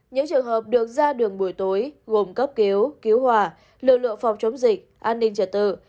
những trường hợp được ra đường buổi tối gồm cấp cứu cứu hòa lựa lựa phòng chống dịch